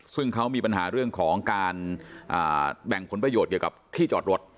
ซึ่งเขามีปัญหาเรื่องของการแบ่งผลประโยชน์เกี่ยวกับที่จอดรถ